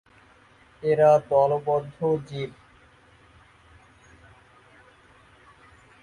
এরা দলবদ্ধ জীব।